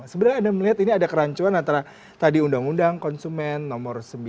sebenarnya anda melihat ini ada kerancuan antara tadi undang undang konsumen nomor sembilan